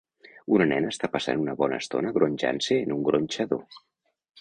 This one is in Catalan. Una nena està passant una bona estona gronxant-se en un gronxador.